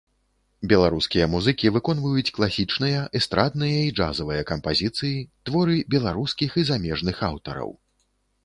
Беларускія музыкі выконваюць класічныя, эстрадныя і джазавыя кампазіцыі, творы беларускіх і замежных аўтараў.